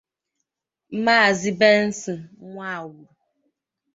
Maazị Benson Nwawulu